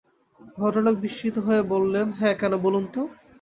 ভদ্রলোক বিস্মিত হয়ে বললেন, হ্যাঁ, কেন বলুন তো?